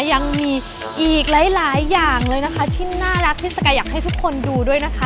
ยังมีอีกหลายอย่างเลยนะคะที่น่ารักที่สกายอยากให้ทุกคนดูด้วยนะคะ